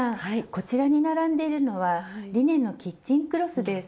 こちらに並んでいるのはリネンのキッチンクロスです。